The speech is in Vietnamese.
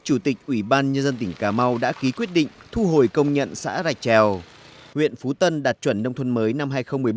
chủ tịch ủy ban nhân dân tỉnh cà mau đã ký quyết định thu hồi công nhận xã rạch trèo huyện phú tân đạt chuẩn nông thôn mới năm hai nghìn một mươi bốn